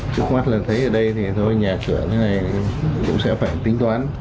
trước mắt lần thấy ở đây thì thôi nhà trưởng như thế này cũng sẽ phải tính toán